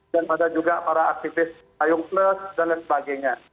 dan ada juga para aktivis sayung plus dan sebagainya